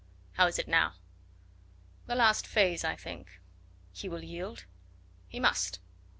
How is it now?" "The last phase, I think." "He will yield?" "He must."